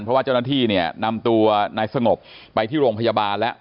เพราะว่าเจ้าหน้าที่เนี่ยนำตัวนายสงบไปที่โรงพยาบาลแล้ว